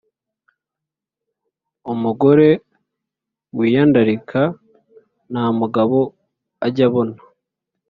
umugore wiyandarika ntamugabo ajya abona